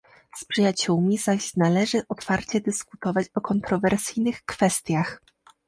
Z przyjaciółmi zaś należy otwarcie dyskutować o kontrowersyjnych kwestiach